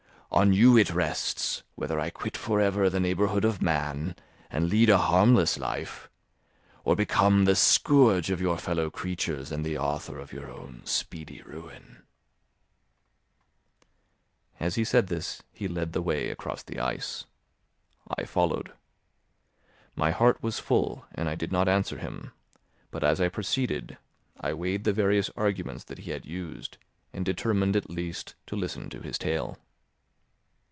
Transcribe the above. On you it rests, whether I quit for ever the neighbourhood of man and lead a harmless life, or become the scourge of your fellow creatures and the author of your own speedy ruin." As he said this he led the way across the ice; I followed. My heart was full, and I did not answer him, but as I proceeded, I weighed the various arguments that he had used and determined at least to listen to his tale.